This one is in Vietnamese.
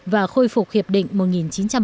và khôi phục hiệp định một nghìn chín trăm bảy mươi bốn